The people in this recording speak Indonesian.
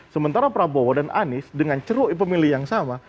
sementara prabowo dan anies dengan ceruk pemilih yang sama